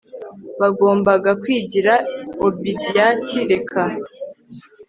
bagombaga kwigira obediaati reka